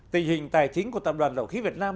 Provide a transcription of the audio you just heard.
tình hình tài chính của tập đoàn dầu khí việt nam